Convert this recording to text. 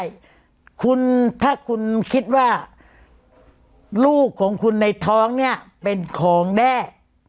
ใช่คุณถ้าคุณคิดว่าลูกของคุณในท้องเนี่ยเป็นของแด้